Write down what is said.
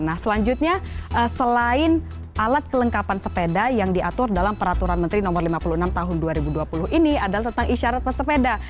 nah selanjutnya selain alat kelengkapan sepeda yang diatur dalam peraturan menteri no lima puluh enam tahun dua ribu dua puluh ini adalah tentang isyarat pesepeda